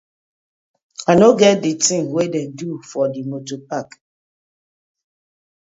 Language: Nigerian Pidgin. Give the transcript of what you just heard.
I no get di tin wey dem do for di motor park.